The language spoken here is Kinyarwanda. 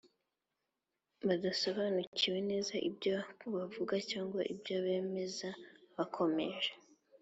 Badasobanukiwe neza ibyo bavuga cyangwa ibyo bemeza bakomeje